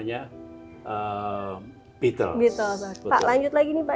pak lanjut lagi nih pak